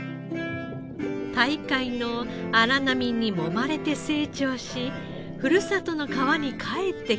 大海の荒波にもまれて成長しふるさとの川に帰ってくるサケ。